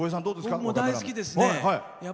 僕も大好きですね。